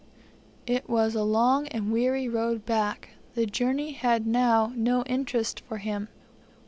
It was a long and weary road back. The journey had now no interest for him.